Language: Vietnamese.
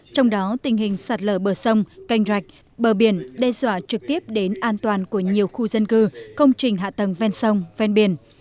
trong đó tình hình sạt lở bờ sông canh rạch bờ biển đe dọa trực tiếp đến an toàn của nhiều khu dân cư công trình hạ tầng ven sông ven biển